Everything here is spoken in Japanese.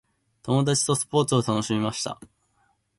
友達とスポーツを楽しみました。